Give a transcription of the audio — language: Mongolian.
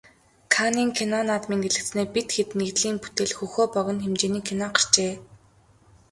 Каннын кино наадмын дэлгэцнээ "Бид хэд" нэгдлийн бүтээл "Хөхөө" богино хэмжээний кино гарчээ.